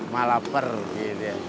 malah per gitu ya